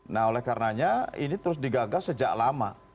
nah oleh karenanya ini terus digagas sejak lama